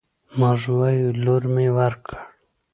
موږ وايو: لور مې ورکړ